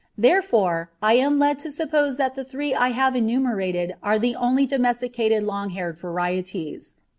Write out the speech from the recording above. Therefore, I am led to suppose that the three I have enumerated are the only domesticated long haired varieties.